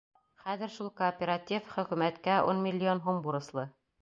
Хәҙер шул кооператив хөкүмәткә ун миллион һум бурыслы.